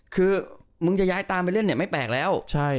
คือมึงจะย้ายตามไปเล่นเนี่ยไม่แปลกแล้ว